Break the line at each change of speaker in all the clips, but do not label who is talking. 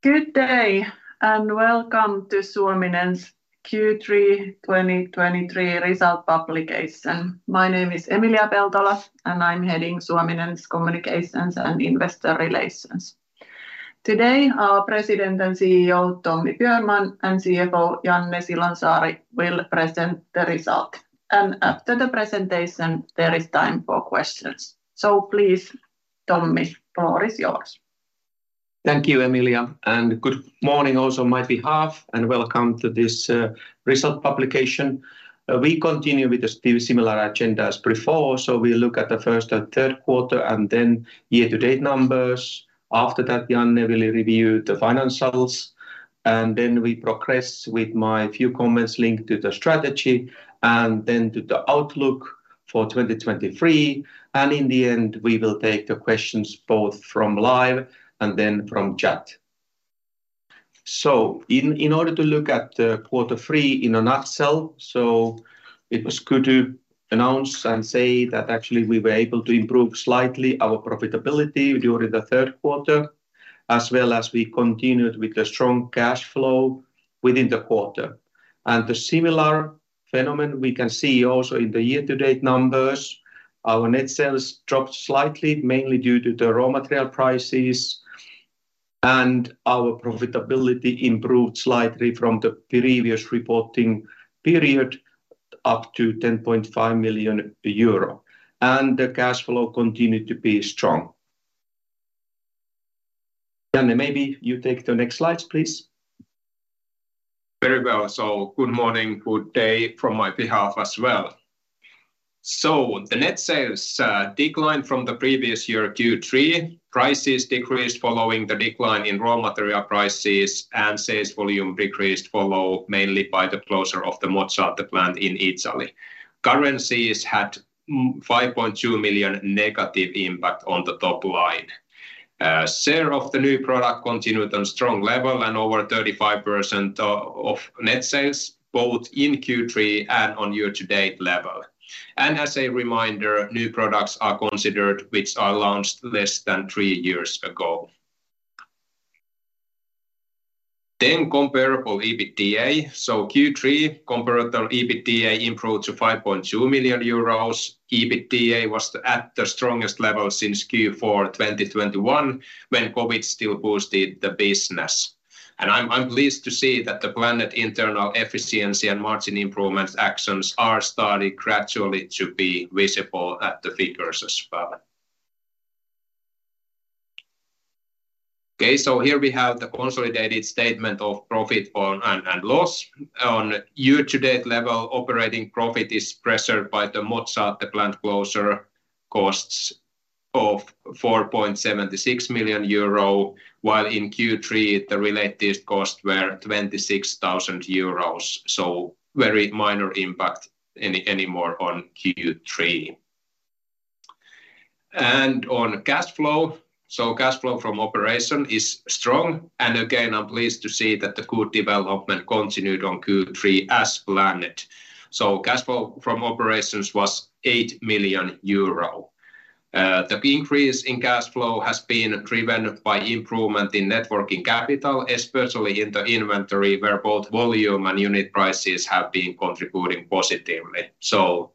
Good day, and welcome to Suominen's Q3 2023 result publication. My name is Emilia Peltola, and I'm heading Suominen's communications and investor relations. Today, our President and CEO, Tommi Björnman, and CFO, Janne Silonsaari, will present the result, and after the presentation, there is time for questions. So please, Tommi, the floor is yours.
Thank you, Emilia, and good morning also on my behalf, and welcome to this, result publication. We continue with the still similar agenda as before, so we look at the first and Q3 and then year-to-date numbers. After that, Janne will review the financials, and then we progress with my few comments linked to the strategy, and then to the outlook for 2023. And in the end, we will take the questions both from live and then from chat. So in order to look at the quarter three in a nutshell, so it was good to announce and say that actually, we were able to improve slightly our profitability during the Q3, as well as we continued with the strong cash flow within the quarter. The similar phenomenon we can see also in the year-to-date numbers, our net sales dropped slightly, mainly due to the raw material prices, and our profitability improved slightly from the previous reporting period, up to 10.5 million euro. The cash flow continued to be strong. Janne, maybe you take the next slides, please.
Very well. Good morning, good day from my behalf as well. The net sales declined from the previous year, Q3. Prices decreased following the decline in raw material prices, and sales volume decreased, followed mainly by the closure of the Mozzate plant in Italy. Currencies had negative 5.2 million impact on the top line. Share of the new product continued on strong level and over 35% of net sales, both in Q3 and on year-to-date level. As a reminder, new products are considered, which are launched less than three years ago. Comparable EBITDA. Q3 comparable EBITDA improved to 5.2 million euros. EBITDA was at the strongest level since Q4 2021, when COVID still boosted the business. I'm pleased to see that the planned internal efficiency and margin improvement actions are starting gradually to be visible at the figures as well. Okay, so here we have the consolidated statement of profit and loss. On year-to-date level, operating profit is pressured by the Mozzate plant closure costs of 4.76 million euro, while in Q3, the related costs were 26,000 euros, so very minor impact anymore on Q3. And on cash flow, so cash flow from operation is strong, and again, I'm pleased to see that the good development continued on Q3 as planned. So cash flow from operations was 8 million euro. The increase in cash flow has been driven by improvement in net working capital, especially in the inventory, where both volume and unit prices have been contributing positively. So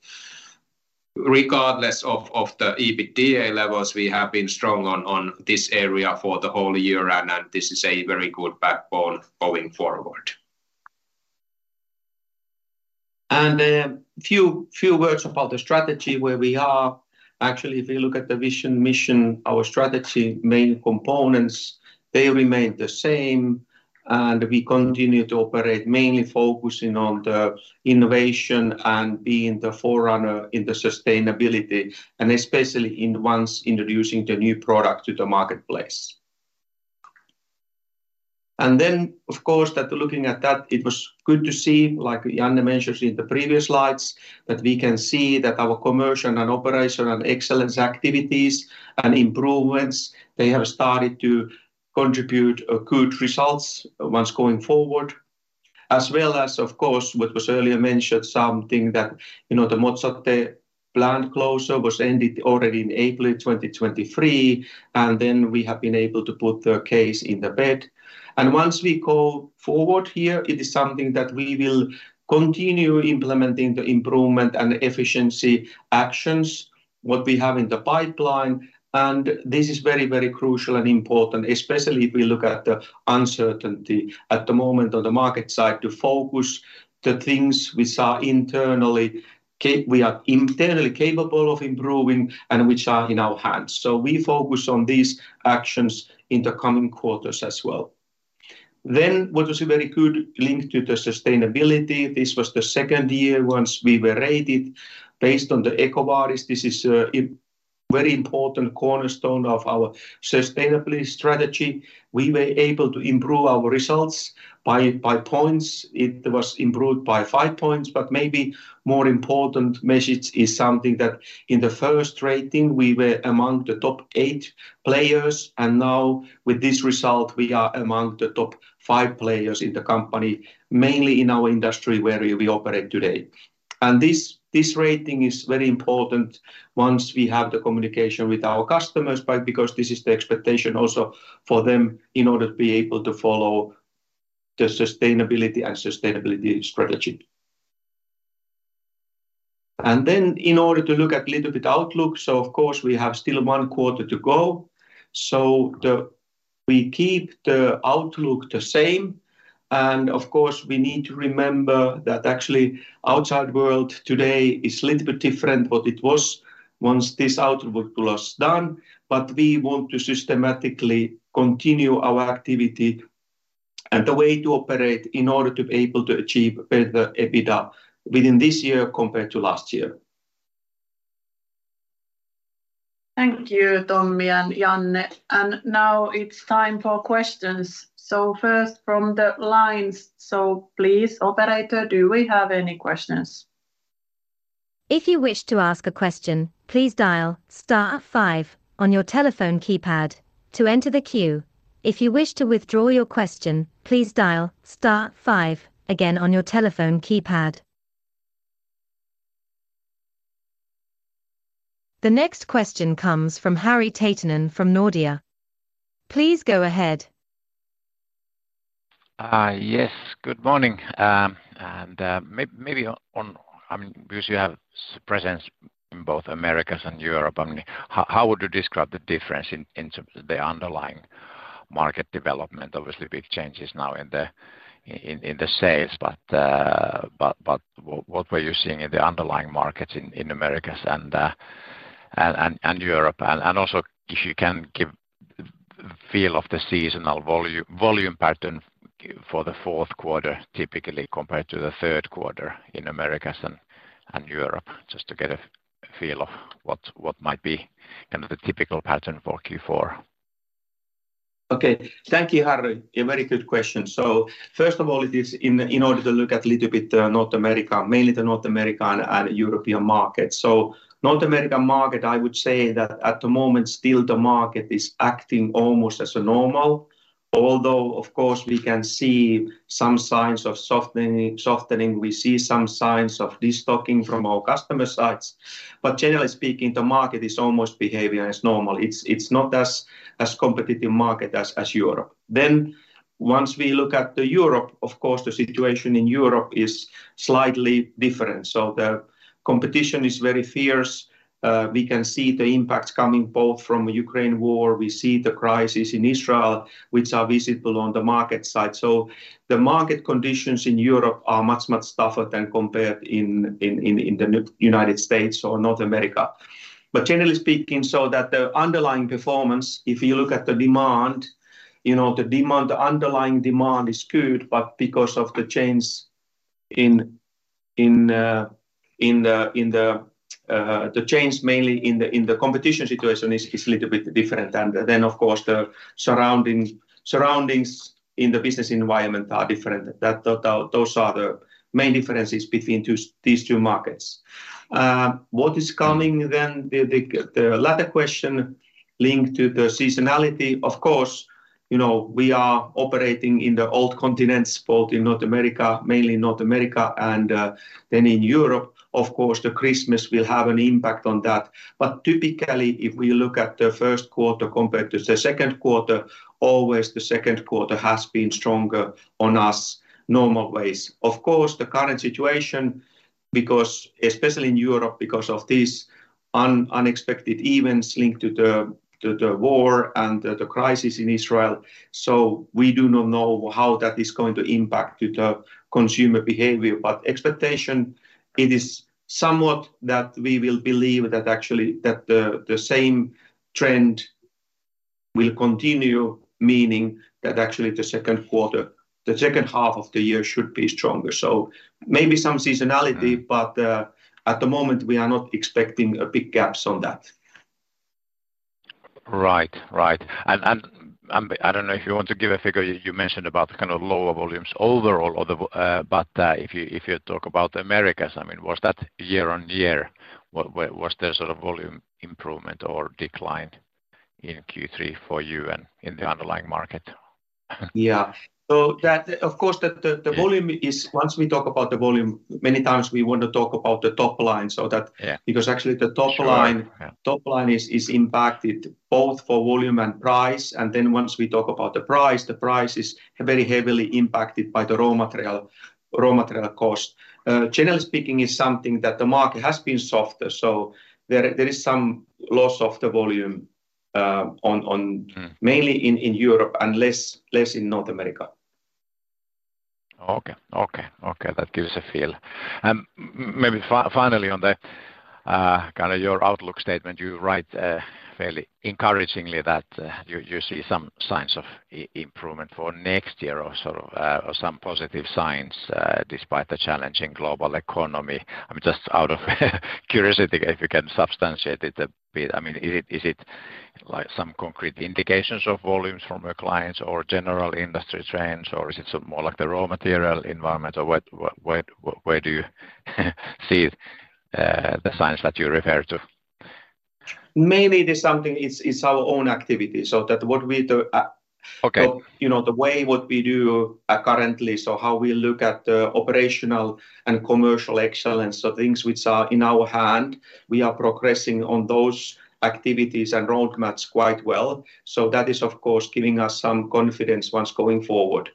regardless of the EBITDA levels, we have been strong on this area for the whole year, and this is a very good backbone going forward.
And a few, few words about the strategy, where we are. Actually, if you look at the vision, mission, our strategy, main components, they remain the same, and we continue to operate, mainly focusing on the innovation and being the forerunner in the sustainability, and especially in nonwovens introducing the new product to the marketplace. And then, of course, that looking at that, it was good to see, like Janne mentioned in the previous slides, that we can see that our commercial and operational excellence activities and improvements, they have started to contribute good results once going forward. As well as, of course, what was earlier mentioned, something that, you know, the Mozzate plant closure was ended already in April 2023, and then we have been able to put the case to bed. Once we go forward here, it is something that we will continue implementing the improvement and efficiency actions, what we have in the pipeline. This is very, very crucial and important, especially if we look at the uncertainty at the moment on the market side, to focus the things which are internally we are internally capable of improving and which are in our hands. We focus on these actions in the coming quarters as well. What was a very good link to the sustainability, this was the second year once we were rated based on the EcoVadis. This is a, a very important cornerstone of our sustainability strategy. We were able to improve our results by, by points. It was improved by five points, but maybe more important message is something that in the first rating, we were among the top eight players, and now with this result, we are among the top five players in the company, mainly in our industry, where we operate today. And this, this rating is very important once we have the communication with our customers, but because this is the expectation also for them in order to be able to follow the sustainability and sustainability strategy. And then in order to look at little bit outlook, so of course, we have still one quarter to go. So we keep the outlook the same, and of course, we need to remember that actually outside world today is little bit different what it was once this outlook was done. We want to systematically continue our activity and the way to operate in order to be able to achieve better EBITDA within this year compared to last year.
Thank you, Tommi and Janne. Now it's time for questions. First from the lines. Please, operator, do we have any questions?
If you wish to ask a question, please dial star five on your telephone keypad to enter the queue. If you wish to withdraw your question, please dial star five again on your telephone keypad. The next question comes from Harri Taittonen from Nordea. Please go ahead.
Yes, good morning. And maybe on... I mean, because you have presence in both Americas and Europe, I mean, how would you describe the difference in the underlying market development? Obviously, big changes now in the sales, but what were you seeing in the underlying markets in Americas and Europe? And also if you can give feel of the seasonal volume pattern for the Q4, typically compared to the Q3 in Americas and Europe, just to get a feel of what might be kind of the typical pattern for Q4.
Okay. Thank you, Harri. A very good question. So first of all, it is in order to look at a little bit, North America, mainly the North American and European market. So North American market, I would say that at the moment, still the market is acting almost as a normal, although, of course, we can see some signs of softening, softening. We see some signs of destocking from our customer sides, but generally speaking, the market is almost behaving as normal. It's not as competitive market as Europe. Then, once we look at Europe, of course, the situation in Europe is slightly different. So the competition is very fierce. We can see the impacts coming both from Ukraine war, we see the crisis in Israel, which are visible on the market side. So the market conditions in Europe are much, much tougher than compared in the United States or North America. But generally speaking, the underlying performance, if you look at the demand, you know, the demand, the underlying demand is good, but because of the change mainly in the competition situation is little bit different. And then, of course, the surroundings in the business environment are different. Those are the main differences between these two markets. What is coming then, the latter question linked to the seasonality? Of course, you know, we are operating in the old continents, both in North America, mainly North America, and then in Europe. Of course, the Christmas will have an impact on that. But typically, if we look at theQ1 compared to the Q2, always the Q2 has been stronger in our normal ways. Of course, the current situation, because especially in Europe, because of these unexpected events linked to the war and the crisis in Israel, so we do not know how that is going to impact to the consumer behavior. But expectation, it is somewhat that we will believe that actually the same trend will continue, meaning that actually the second half of the year should be stronger. So maybe some seasonality, but at the moment, we are not expecting a big gap on that.
Right. Right. And I don't know if you want to give a figure. You mentioned about kind of lower volumes overall. But if you talk about Americas, I mean, was that year-over-year? Was there sort of volume improvement or decline in Q3 for you and in the underlying market?
Yeah. So that of course,
Yeah...
volume, once we talk about the volume, many times we want to talk about the top line so that-
Yeah...
because actually the top line-
Sure. Yeah...
top line is impacted both for volume and price. And then once we talk about the price, the price is very heavily impacted by the raw material, raw material cost. Generally speaking, is something that the market has been softer, so there, there is some loss of the volume, on, on-... mainly in Europe and less in North America.
Okay. Okay, okay, that gives a feel. Maybe finally, on the, kind of your outlook statement, you write fairly encouragingly that you see some signs of improvement for next year or sort of some positive signs despite the challenging global economy. I mean, just out of curiosity, if you can substantiate it a bit. I mean, is it like some concrete indications of volumes from your clients or general industry trends, or is it more like the raw material environment? Or what, what, what, where do you see the signs that you refer to?...
Mainly it is something, it's, it's our own activity, so that what we do,
Okay.
You know, the way what we do currently, so how we look at the operational and commercial excellence, so things which are in our hand, we are progressing on those activities and roadmaps quite well. So that is, of course, giving us some confidence once going forward.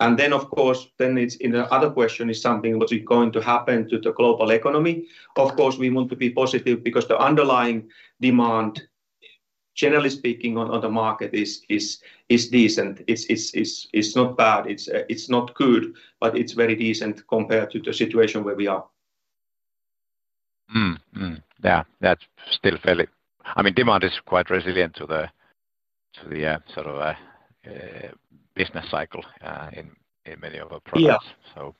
And then, of course, then it's in the other question is something, what is going to happen to the global economy? Of course, we want to be positive because the underlying demand, generally speaking, on the market is decent. It's not bad, it's not good, but it's very decent compared to the situation where we are.
Mm-hmm. Mm-hmm. Yeah, that's still fairly... I mean, demand is quite resilient to the sort of business cycle in many of our products.
Yeah.
So.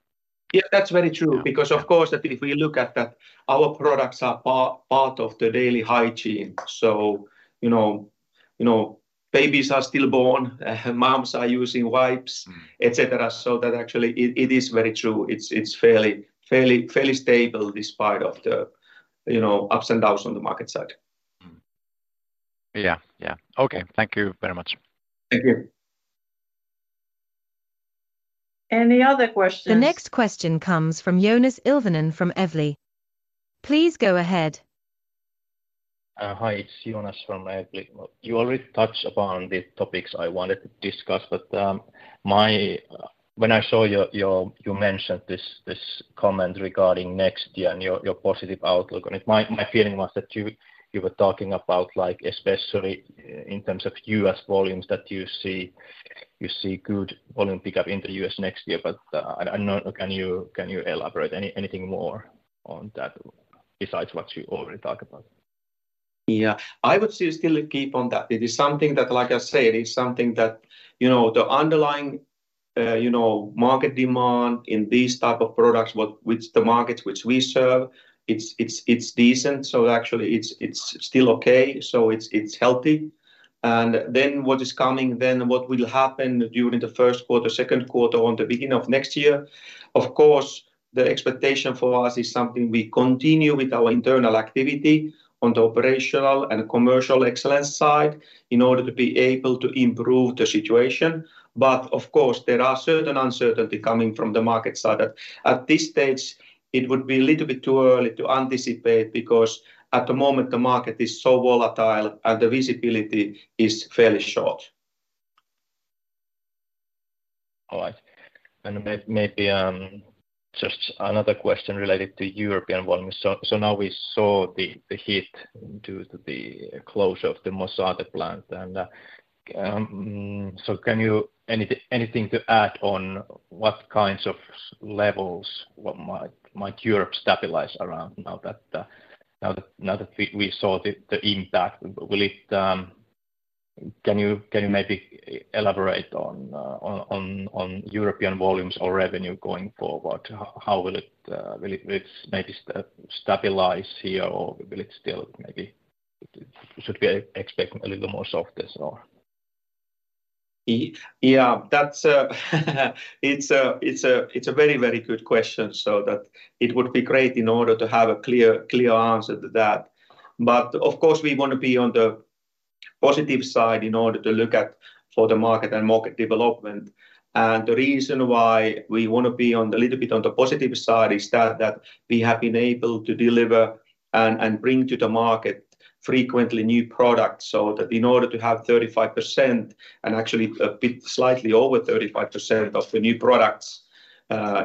Yeah, that's very true.
Yeah.
Because of course, if we look at that, our products are part of the daily hygiene. So, you know, you know, babies are still born, moms are using wipes-... et cetera. So that actually it is very true. It's fairly stable despite of the, you know, ups and downs on the market side.
Mm. Yeah, yeah. Okay, thank you very much.
Thank you.
Any other questions?
The next question comes from Joonas Ilvonen from Evli. Please go ahead.
Hi, it's Joonas from Evli. You already touched upon the topics I wanted to discuss, but when I saw your—you mentioned this comment regarding next year and your positive outlook on it. My feeling was that you were talking about like especially in terms of U.S. volumes, that you see good volume pickup in the U.S. next year, but I know. Can you elaborate anything more on that besides what you already talked about?
Yeah. I would say still keep on that. It is something that, like I said, it's something that, you know, the underlying, you know, market demand in these type of products, which the markets we serve, it's decent. So actually it's still okay, so it's healthy. And then what is coming then, what will happen during the first quarter, Q2, on the beginning of next year? Of course, the expectation for us is something we continue with our internal activity on the operational and commercial excellence side in order to be able to improve the situation. But of course, there are certain uncertainty coming from the market side that at this stage it would be a little bit too early to anticipate, because at the moment, the market is so volatile and the visibility is fairly short.
All right. And maybe just another question related to European volumes. So now we saw the hit due to the closure of the Mozzate plant and, so can you... Anything to add on what kinds of levels, what might Europe stabilize around now that, now that we saw the impact? Will it... Can you maybe elaborate on European volumes or revenue going forward? How will it... Will it maybe stabilize here, or will it still maybe... Should we expect a little more softness or?
Yeah, that's, it's a very, very good question. So that it would be great in order to have a clear, clear answer to that. But of course, we want to be on the positive side in order to look at for the market and market development. And the reason why we want to be on the, a little bit on the positive side is that we have been able to deliver and bring to the market frequently new products, so that in order to have 35% and actually a bit slightly over 35% of the new products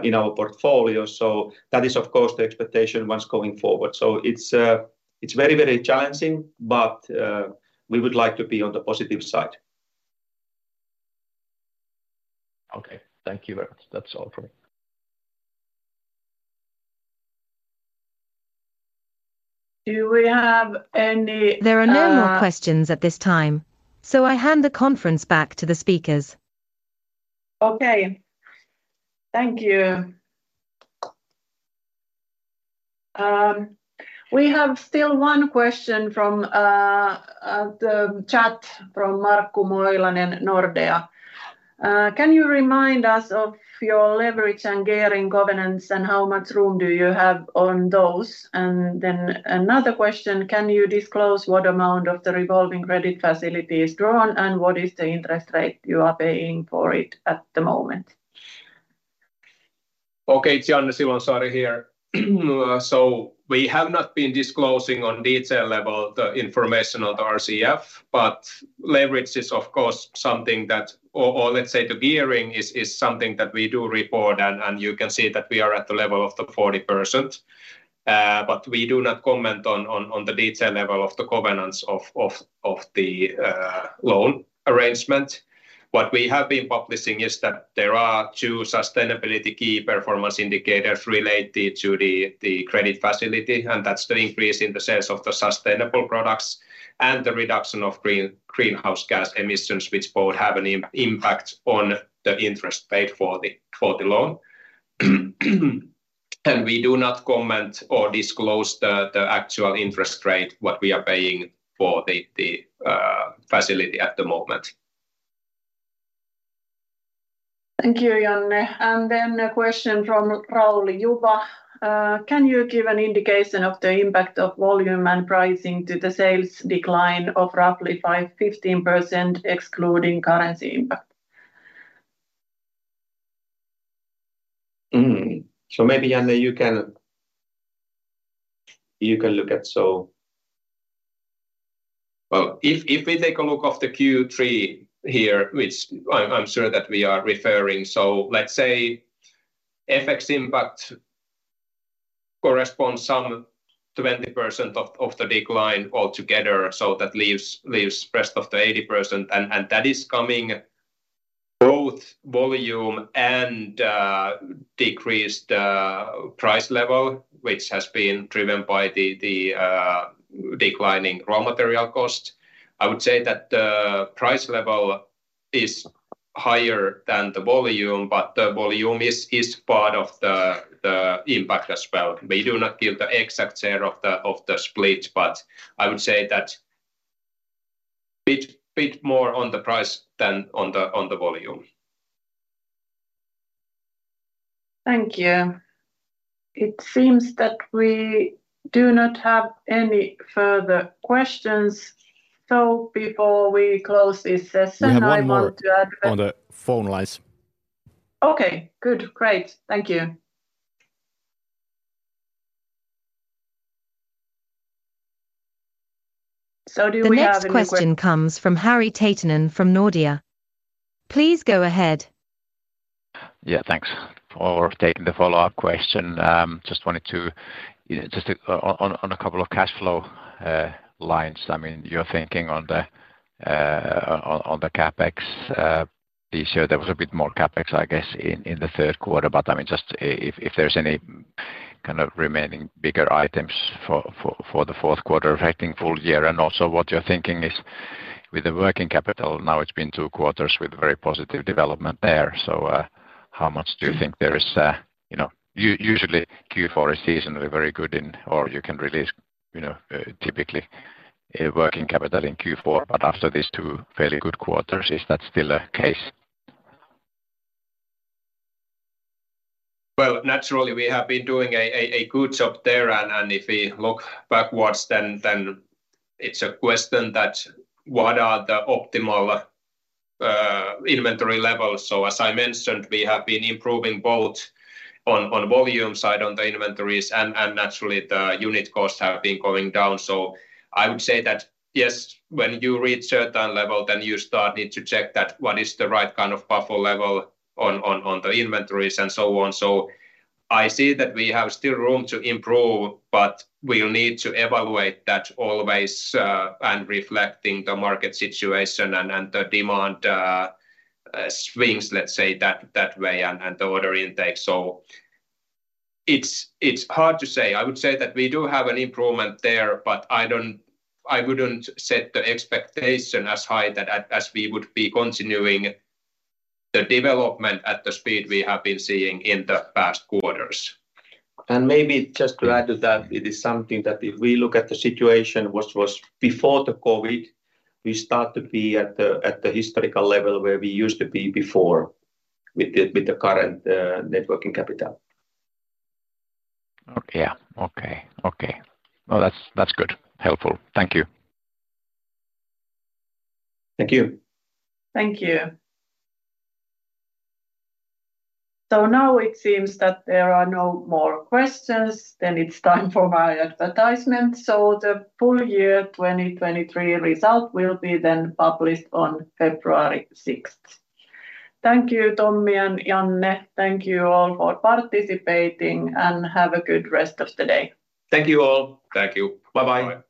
in our portfolio. So that is, of course, the expectation once going forward. So it's very, very challenging, but we would like to be on the positive side.
Okay. Thank you very much. That's all for me.
Do we have any?
There are no more questions at this time, so I hand the conference back to the speakers.
Okay. Thank you. We have still one question from the chat from Markku Moilanen, Nordea. "Can you remind us of your leverage and gearing governance, and how much room do you have on those?" And then another question: "Can you disclose what amount of the revolving credit facility is drawn, and what is the interest rate you are paying for it at the moment?
Okay, it's Janne Silonsaari here. So we have not been disclosing on detail level the information on the RCF, but leverage is, of course, something that... Or let's say the gearing is something that we do report, and you can see that we are at the level of the 40%. But we do not comment on the detail level of the governance of the loan arrangement. What we have been publishing is that there are two sustainability key performance indicators related to the credit facility, and that's the increase in the sales of the sustainable products and the reduction of greenhouse gas emissions, which both have an impact on the interest paid for the loan. We do not comment or disclose the actual interest rate, what we are paying for the facility at the moment. ...
Thank you, Janne. And then a question from Rauli Juva: Can you give an indication of the impact of volume and pricing to the sales decline of roughly 5%-15%, excluding currency impact?
So maybe, Janne, you can look at so. Well, if we take a look at the Q3 here, which I'm sure that we are referring to, so let's say FX impact corresponds some 20% of the decline altogether, so that leaves rest of the 80%. And that is coming both volume and decreased price level, which has been driven by the declining raw material cost. I would say that the price level is higher than the volume, but the volume is part of the impact as well. We do not give the exact share of the split, but I would say that bit more on the price than on the volume.
Thank you. It seems that we do not have any further questions, so before we close this session, I want to add-
We have one more on the phone lines.
Okay, good. Great. Thank you. So do we have any que-
The next question comes from Harri Taittonen from Nordea. Please go ahead.
Yeah, thanks for taking the follow-up question. Just wanted to, you know, just to... On a couple of cash flow lines, I mean, you're thinking on the CapEx this year there was a bit more CapEx, I guess, in the Q3. But I mean, just if there's any kind of remaining bigger items for the Q4 affecting full year? And also, what you're thinking is with the working capital, now it's been two quarters with very positive development there. So, how much do you think there is... You know, usually Q4 is seasonally very good in, or you can release, you know, typically a working capital in Q4, but after these two fairly good quarters, is that still the case?
Well, naturally, we have been doing a good job there, and if we look backwards, then it's a question that what are the optimal inventory levels? So as I mentioned, we have been improving both on volume side, on the inventories, and naturally, the unit costs have been going down. So I would say that, yes, when you reach certain level, then you start need to check that what is the right kind of buffer level on the inventories and so on. So I see that we have still room to improve, but we'll need to evaluate that always, and reflecting the market situation and the demand swings, let's say, that way, and the order intake. So it's hard to say. I would say that we do have an improvement there, but I wouldn't set the expectation as high as we would be continuing the development at the speed we have been seeing in the past quarters.
Maybe just to add to that, it is something that if we look at the situation, which was before the COVID, we start to be at the historical level where we used to be before with the current net working capital.
Okay. Yeah. Okay, okay. Well, that's, that's good. Helpful. Thank you.
Thank you.
Thank you. So now it seems that there are no more questions, then it's time for my advertisement. So the full year 2023 result will be then published on February 6th. Thank you, Tommi and Janne. Thank you all for participating, and have a good rest of the day.
Thank you all.
Thank you.
Bye-bye.
Bye.